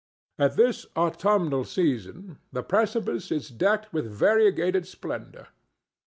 At this autumnal season the precipice is decked with variegated splendor.